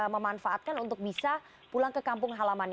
memanfaatkan untuk bisa pulang ke kampung halamannya